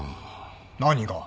何が？